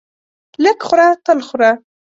لږ خوره تل خوره.